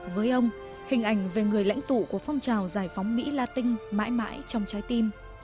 với ông hình ảnh về người lãnh tụ của phong trào giải phóng mỹ la tinh mãi mãi trong trái tim